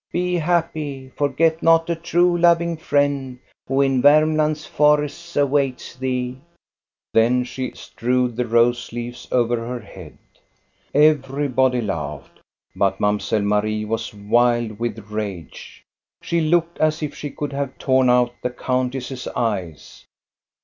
Be happy : forget not a true, loving friend Who in Varmland^s forests awaits thee I *' ^4^ THE STORY OF GOSTA BE RUNG Then she strewed the rose leaves over her head. Everybody laughed; but Mamselle Marie was wild with rage. She looked as if she could have torn out the countess's eyes.